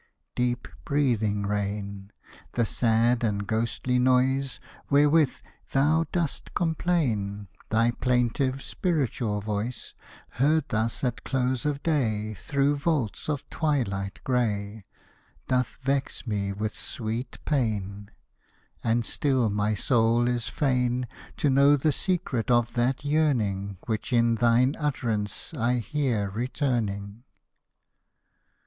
Deep breathing rain, The sad and ghostly noise Wherewith thou dost complain, Thy plaintive, spiritual voice, Heard thus at close of day Through vaults of twilight gray, Doth vex me with sweet pain! And still my soul is fain To know the secret of that yearning Which in thine utterance I hear returning.